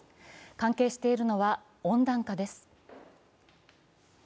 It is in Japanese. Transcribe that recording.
関係しているのは温暖化です。